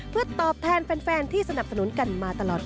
เพื่อตอบแทนแฟนที่สนับสนุนกันมาตลอด